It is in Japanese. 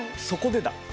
そこでだ。